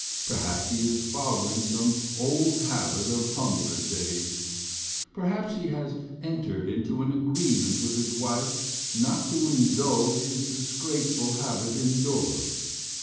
Perhaps he is fol lowing some old habit of humbler days. Perhaps he has entered into an agreement with his wife not to indulge his disgraceful habit in doors.